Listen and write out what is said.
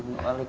atau mau pulang